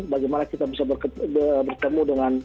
bagaimana kita bisa bertemu dengan